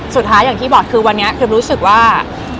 สุดท้ายอย่างที่บอกคือวันนี้พิมรู้สึกว่า